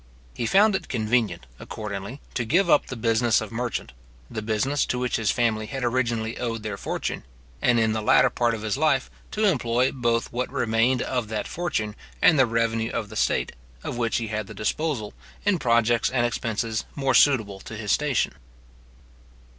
He found it convenient, accordingly to give up the business of merchant, the business to which his family had originally owed their fortune, and, in the latter part of his life, to employ both what remained of that fortune, and the revenue of the state, of which he had the disposal, in projects and expenses more suitable to his station.